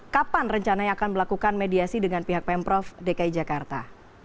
kapan rencananya akan melakukan mediasi dengan pihak pemprov dki jakarta